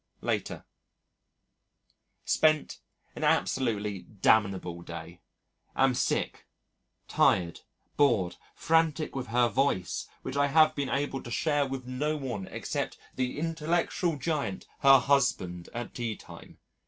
Later: Spent an absolutely damnable day. Am sick, tired, bored, frantic with her voice which I have been able to share with no one except the intellectual giant, her husband, at tea time.